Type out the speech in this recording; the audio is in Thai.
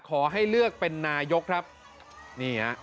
ขอให้เลือกเป็นนายกครับนี่ฮะ